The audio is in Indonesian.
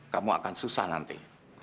kamu akan susah nanti